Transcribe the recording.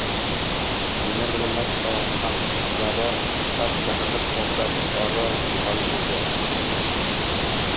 bilinar-bilinmas ohanrabo sas chiqarib toshlararo g‘oyib bo‘ldi.